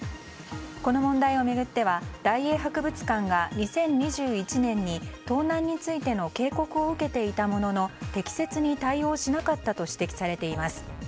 この問題を巡っては大英博物館が２０２１年に盗難についての警告を受けていたものの適切に対応しなかったと指摘されています。